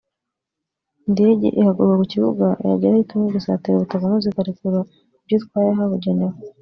Indege ihaguruka ku kibuga yagera aho itumwe igasatira ubutaka maze ikarekurira ibyo itwaye ahabugenewe